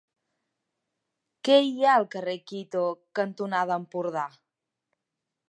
Què hi ha al carrer Quito cantonada Empordà?